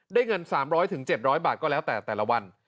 ได้เงิน๓๐๐๗๐๐บาทก็แล้วแต่แต่ละวัน